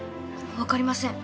わかりません。